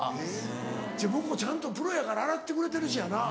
向こうちゃんとプロやから洗ってくれてるしやな。